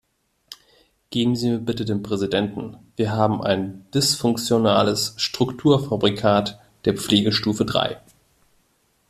Geben Sie mir bitte den Präsidenten, wir haben ein dysfunktionales Strukturfabrikat der Pflegestufe drei.